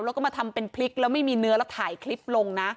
แล้วก็มาทำเป็นพริกแล้วไม่มีเนื้อแล้วถ่ายคลิปลงนะ